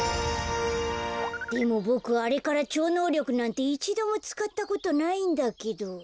でもボクあれからちょうのうりょくなんていちどもつかったことないんだけど。